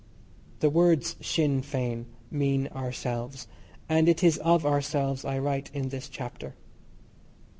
The words Sinn Fein mean "Ourselves," and it is of ourselves I write in this chapter.